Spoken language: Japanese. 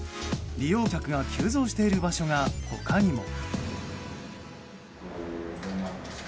利用客が急増している場所が他にも。